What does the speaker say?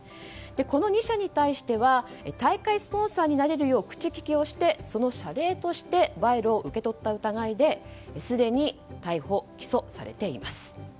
この２社に対しては大会スポンサーになれるよう口利きをして、その謝礼として賄賂を受け取った疑いですでに逮捕・起訴されています。